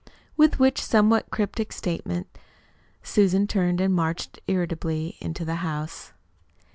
With which somewhat cryptic statement Susan turned and marched irritably into the house.